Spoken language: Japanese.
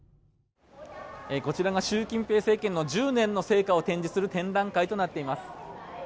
こちらが習近平政権の１０年の成果を展示する展覧会となっています。